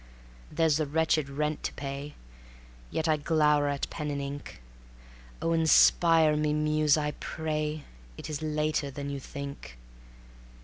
There's the wretched rent to pay, Yet I glower at pen and ink: Oh, inspire me, Muse, I pray, _It is later than you think!